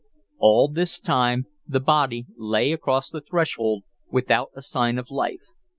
All this time the body lay across the threshold without a sign of life.